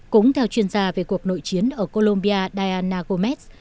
cũng theo chuyên gia về cuộc nội chiến ở colombia diana gomez